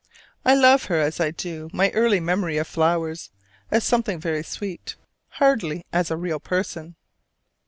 I love her as I do my early memory of flowers, as something very sweet, hardly as a real person.